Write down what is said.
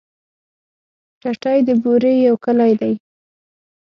ټټۍ د بوري يو کلی دی.